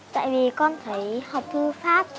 tại vì con thấy học thư pháp